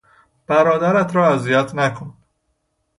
برادرت را اذیت نکن!